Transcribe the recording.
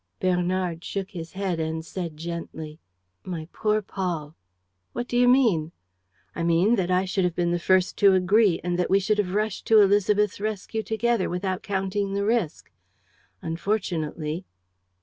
Bernard shook his head and said, gently: "My poor Paul!" "What do you mean?" "I mean that I should have been the first to agree and that we should have rushed to Élisabeth's rescue together, without counting the risk. Unfortunately.